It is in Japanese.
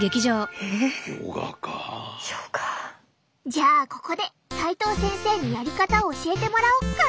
じゃあここで齊藤先生にやり方を教えてもらおっか！